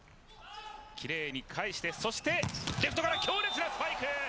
奇麗に返して、そしてレフトから強烈なスパイク。